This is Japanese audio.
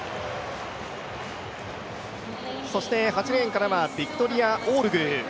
そして８レーンからはビクトリア・オールグー。